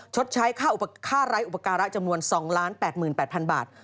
ชดใช้ค่าไร้อุปการะจำนวน๒๘๘๐๐๐บาท